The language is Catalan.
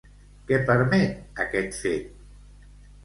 Què permet aquest fet?